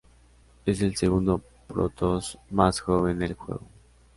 Es el segundo protoss más joven del juego.